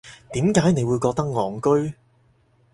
點解你會覺得戇居